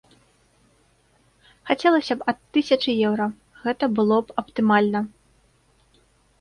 Хацелася б ад тысячы еўра, гэта было б аптымальна.